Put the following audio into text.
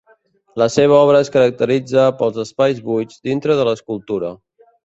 La seva obra es caracteritza pels espais buits dintre de l'escultura.